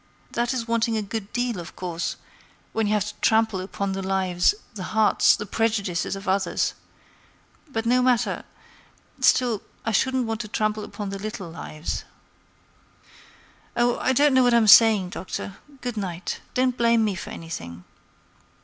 That is wanting a good deal, of course, when you have to trample upon the lives, the hearts, the prejudices of others—but no matter—still, I shouldn't want to trample upon the little lives. Oh! I don't know what I'm saying, Doctor. Good night. Don't blame me for anything."